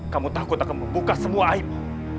kamu takut akan membuka semua aibmu